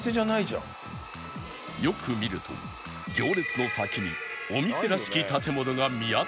よく見ると行列の先にお店らしき建物が見当たらない